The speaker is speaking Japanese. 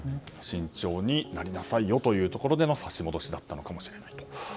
慎重になりなさいよというところでの差し戻し立ったのかもしれないと。